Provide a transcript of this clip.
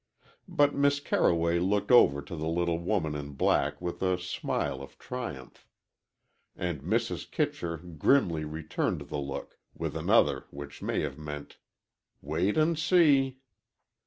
But Miss Carroway looked over to the little woman in black with a smile of triumph. And Mrs. Kitcher grimly returned the look with another which may have meant "wait and see."